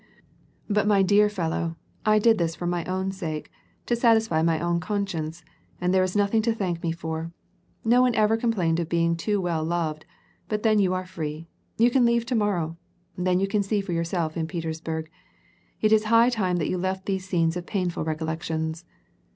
"But, my dear fellow, I did this for my own sake, to satisfy my own conscience, and there is nothing to thank me for. No one ever complained of being too well loved ; but then yon are free ; you can leave to morrow. Then you can see for yourself in Petersburg. It is high time that you left these scenes of painful recollections."